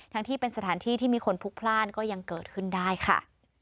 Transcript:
ที่เป็นสถานที่ที่มีคนพลุกพลาดก็ยังเกิดขึ้นได้ค่ะ